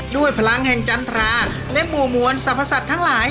ด้วยพลังแห่งจันทราและหมู่มวลสรรพสัตว์ทั้งหลาย